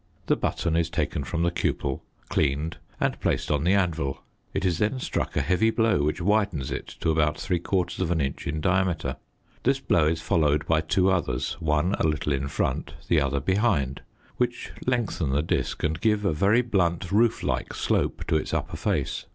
The button is taken from the cupel, cleaned and placed on the anvil: it is then struck a heavy blow which widens it to about 3/4 inch in diameter; this blow is followed by two others, one a little in front, the other behind, which lengthen the disc and give a very blunt roof like slope to its upper face.